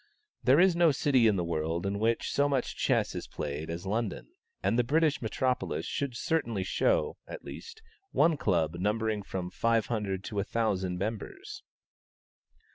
There is no city in the world in which so much chess is played as London, and the British metropolis should certainly show, at least, one club numbering from 500 to 1,000 members.